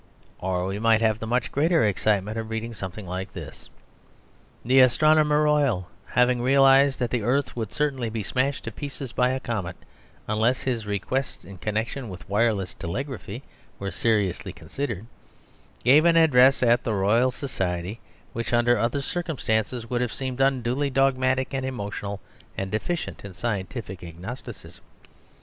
Or we might have the much greater excitement of reading something like this: "The Astronomer Royal, having realised that the earth would certainly be smashed to pieces by a comet unless his requests in connection with wireless telegraphy were seriously considered, gave an address at the Royal Society which, under other circumstances, would have seemed unduly dogmatic and emotional and deficient in scientific agnosticism.